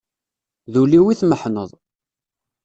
D ul-iw i tmeḥneḍ.